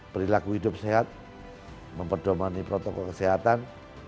perilaku hidup sehat memperdomani protokol kesehatan